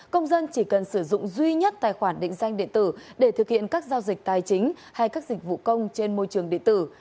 công dân chỉ cần sử dụng duy nhất tài khoản định danh điện tử để thực hiện các giao dịch tài chính hay các dịch vụ công trên môi trường điện tử